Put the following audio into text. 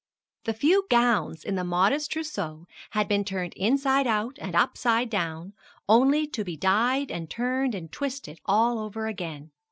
The few gowns in the modest trousseau had been turned inside out and upside down, only to be dyed and turned and twisted all over again.